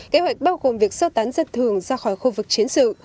kế hoạch bao gồm việc sơ tán dân thường ra khỏi khu vực chiến sự